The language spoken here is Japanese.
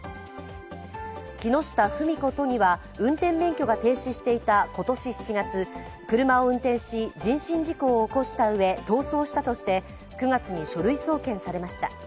木下富美子都議は運転免許が停止していた今年７月、車を運転し、人身事故を起こしたうえ、逃走したとして９月に書類送検されました。